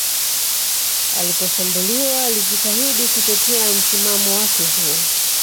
Aliposhambuliwa alijitahidi kutetea msimamo wake huo